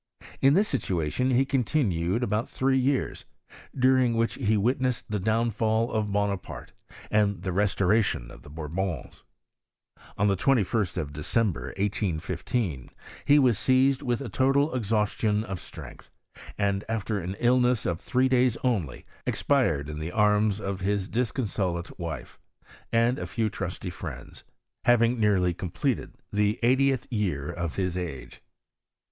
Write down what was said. In this situation he coritiQued about three years, during which he witnessed the downfiJ of Bonaparte, and the restoration of the Bourbons. Oa the 2l3t of December, 1815, he was seized witb a total exhaustion of strength ; and, after an illness of three days only, expired in the arms of his dis consolate wife, and a few trusty friends, baviii|* nearlv completed the eightieth year of his age.